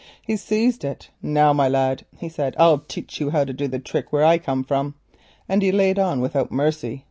He seized it. "Now, boar," he said, "I'll teach you how we do the trick where I come from," and he laid on without mercy.